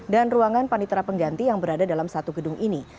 dan ruangan panitera pengganti yang berada dalam satu gedung ini